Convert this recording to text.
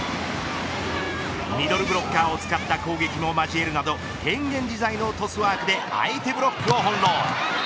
ミドルブロッカーを使った攻撃も交えるなど変幻自在のトスワークで相手ブロックを翻弄。